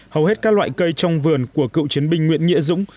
hầu hết các loại cây trong vườn của cựu chiến binh nguyễn nghĩa dũng